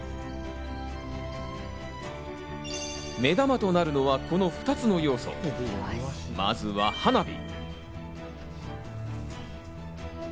目玉となるのはこの２つの要素、まずは花火。